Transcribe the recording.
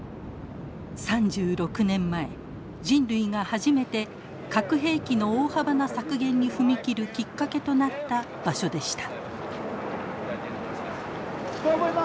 ３６年前人類が初めて核兵器の大幅な削減に踏み切るきっかけとなった場所でした。